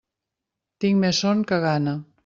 Tinc més son que gana.